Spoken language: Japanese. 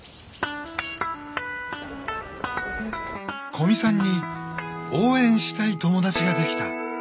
古見さんに応援したい友達ができた。